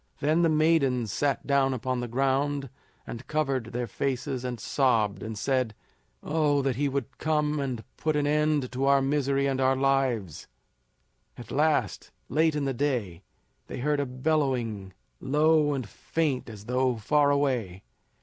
Then the maidens sat down upon the ground and covered their faces and sobbed, and said: "Oh, that he would come and put an end to our misery and our lives." At last, late in the day, they heard a bellowing, low and faint as though far away.